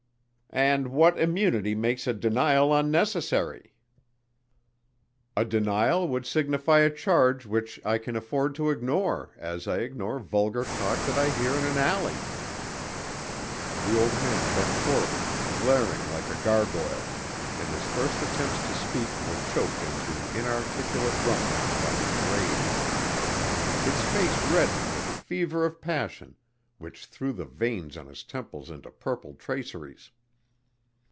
"And what immunity makes a denial unnecessary?" "A denial would dignify a charge which I can afford to ignore as I ignore vulgar talk that I hear in an alley." The old man bent forward, glaring like a gargoyle, and his first attempts to speak were choked into inarticulate rumblings by his rage. His face reddened with a fever of passion which threw the veins on his temples into purple traceries.